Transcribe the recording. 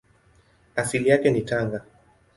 Asili yake ni Tanga.